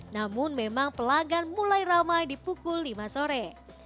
namun memang pelanggan mulai ramai di pukul lima sore